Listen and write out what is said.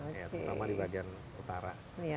terutama di bagian utara